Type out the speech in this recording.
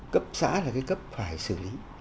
cấp xã là cái cấp phải xử lý